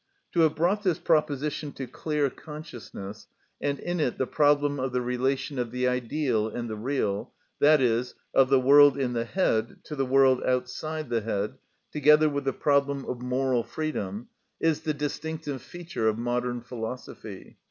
To have brought this proposition to clear consciousness, and in it the problem of the relation of the ideal and the real, i.e., of the world in the head to the world outside the head, together with the problem of moral freedom, is the distinctive feature of modern philosophy.